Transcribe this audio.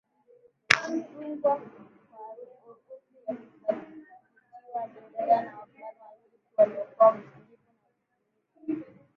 Mzungwa kwa hofu ya kusalitiwaAliendelea na wavulana wawili tu walioitwa Musigombo na Lifumika